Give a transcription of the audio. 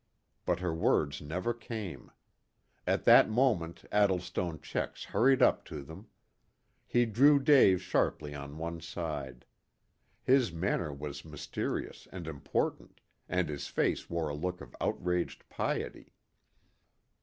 But her words never came. At that moment Addlestone Checks hurried up to them. He drew Dave sharply on one side. His manner was mysterious and important, and his face wore a look of outraged piety.